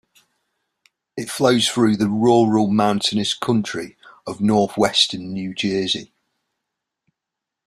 It flows through the rural mountainous country of northwestern New Jersey.